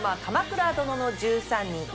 「鎌倉殿の１３人」